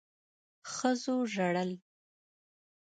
ښځو ژړل